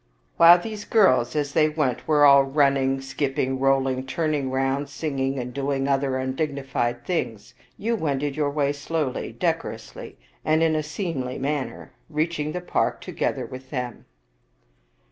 While these girls, as they went, were all running, skip 50 Visakhd ping, rolling, turning round, singing, and doing other un dignified things, you wended your way slowly, decorously, and in a seemly manner, reaching the park together with them."